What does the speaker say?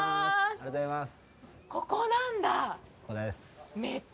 ありがとうございます。